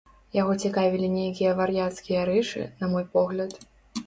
Яго цікавілі нейкія вар'яцкія рэчы, на мой погляд.